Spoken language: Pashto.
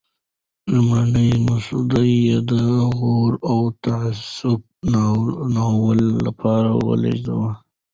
لومړنی مسوده یې د "غرور او تعصب" ناول لپاره ولېږله.